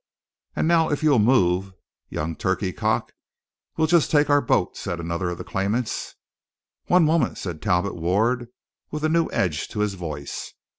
"And now if you'll move, young turkey cock, we'll just take our boat," said another of the claimants. "One moment!" said Talbot Ward, with a new edge to his voice.